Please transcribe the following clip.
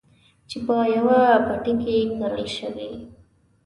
چې په يوه پټي کې کرل شوي.